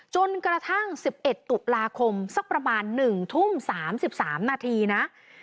จนกระทั่ง๑๑ตุลาคมสักประมาณ๑ทุ่ม๓๓นาทีนะ